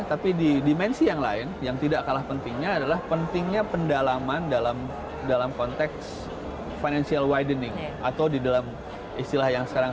tapi di dimensi yang lain yang tidak kalah pentingnya adalah pentingnya pendalaman dalam konteks keuangan